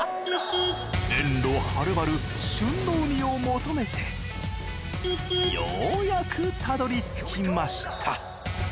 遠路はるばる旬のウニを求めてようやくたどり着きました。